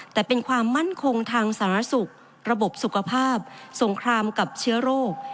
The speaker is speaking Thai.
แต่เป็นความมั่นคงทางสารสุขระบบสุขภาพสงครามกับเชื้อโรค